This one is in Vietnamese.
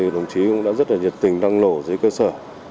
đồng chí cũng đã rất nhiệt tình đăng lộ dưới cơ sở